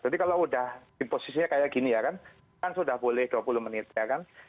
jadi kalau udah di posisinya kayak gini ya kan kan sudah boleh dua puluh menit ya kan